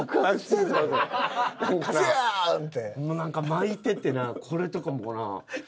巻いててなこれとかもほら。